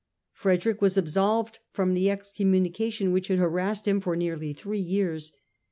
Frederick was absolved from the excommunication which had harassed him for nearly three years.